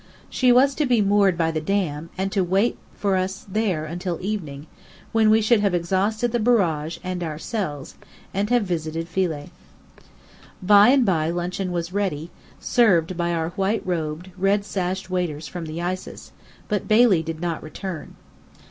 She was to be moored by the Dam, and to wait for us there until evening, when we should have exhausted the Barrage and ourselves; and have visited Philae. By and by luncheon was ready, served by our white robed, red sashed waiters from the Isis, but Bailey did not return.